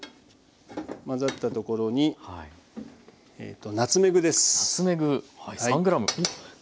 混ざったところにえっとナツメグです。